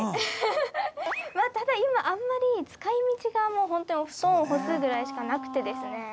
フフフただ今あんまり使い道がホントにお布団を干すぐらいしかなくてですね。